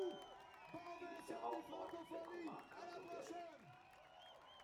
Sie ist der Hauptort der Comarca Urgell.